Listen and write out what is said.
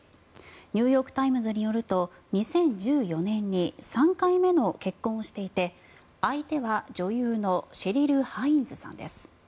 ニューヨーク・タイムズによると２０１４年に３回目の結婚をしていて相手は女優のシェリル・ハインズさんです。